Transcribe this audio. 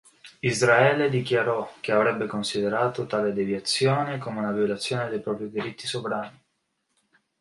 Israele dichiarò che avrebbe considerato tale deviazione come una violazione dei propri diritti sovrani.